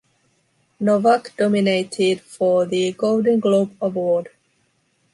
“Novak” nominated for the Golden Globe Award.